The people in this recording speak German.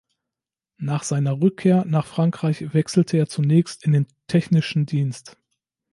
Nach seiner Rückkehr nach Frankreich wechselte er zunächst in den technischen Dienst.